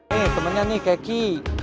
nih temennya nih keki